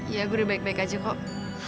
ya gue udah baik baik aja kok